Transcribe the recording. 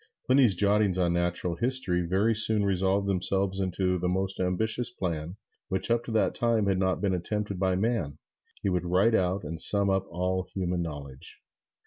Pliny's jottings on natural history very soon resolved themselves into the most ambitious plan, which up to that time had not been attempted by man he would write out and sum up all human knowledge.